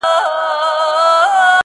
د څڼور سندرې چي په زړه کي اوسي_